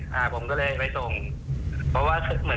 นั่งถึงในโต๊ะเลยใช่ไหม